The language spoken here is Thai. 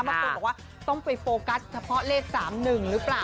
บางคนบอกว่าต้องไปโฟกัสเฉพาะเลข๓๑หรือเปล่า